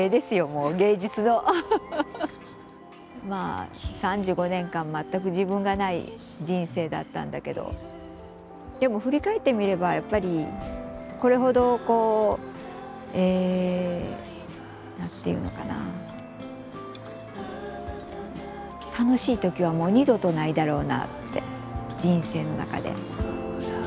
まあ３５年間全く自分がない人生だったんだけどでも振り返ってみればやっぱりこれほどこう何て言うのかな楽しい時はもう二度とないだろうなって人生の中で。